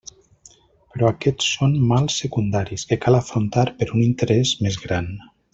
Però aquests són mals secundaris que cal afrontar per un interès més gran.